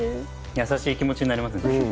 優しい気持ちになれますね。